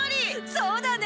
そうだね。